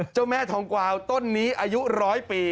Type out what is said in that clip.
เจ้าแม่ทองกวาวต้นนี้อายุร้อยปี